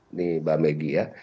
ini mbak maggie